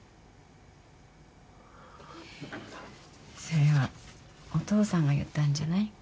それはお父さんが言ったんじゃない？